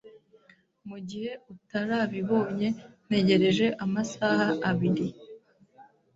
Mugihe utarabibonye, ntegereje amasaha abiri.